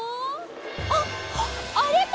あっあれか！